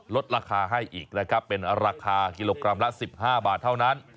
ลดราคาให้อีกนะครับเป็นราคากิโลกรัมละ๑๕บาทเท่านั้น